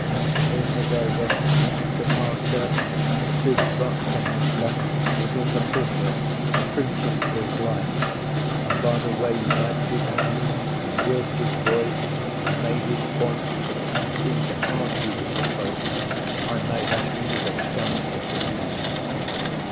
The hymn was over; the pastor, a big buck Kanaka, was in the pulpit, preaching for his life; and by the way he wagged his hand, and worked his voice, and made his points, and seemed to argue with the folk, I made out he was a gun at the business.